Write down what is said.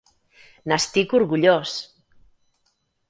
N'estic orgullós!